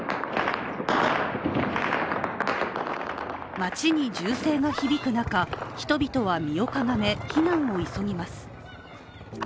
街に銃声が響く中、人々は見をかがめ避難を急ぎます。